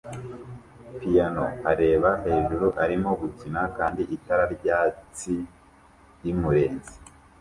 piyano areba hejuru arimo gukina kandi itara ryatsi rimurenze